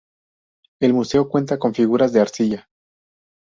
El museo cuenta con figuras de arcilla.